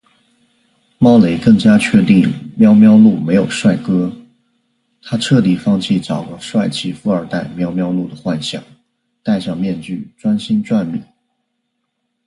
猫雷更加确定喵喵露没有帅哥，她彻底放弃找个帅气富二代喵喵露的幻想，戴上面具专心赚米